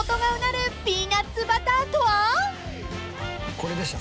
これでした？